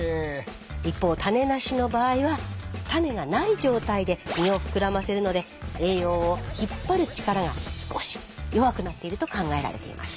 一方種なしの場合は種がない状態で実を膨らませるので栄養を引っ張る力が少し弱くなっていると考えられています。